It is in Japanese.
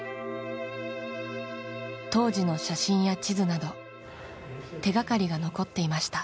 当時の写真や地図など手掛かりが残っていました。